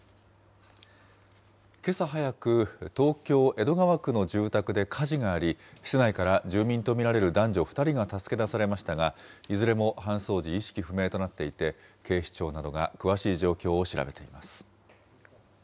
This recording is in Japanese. けさ早く、東京・江戸川区の住宅で火事があり、室内から住民と見られる男女２人が助け出されましたが、いずれも搬送時、意識不明となっていて、警視庁などが詳しい状況を調べています。